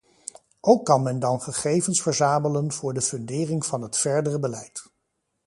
Ook kan men dan gegevens verzamelen voor de fundering van het verdere beleid.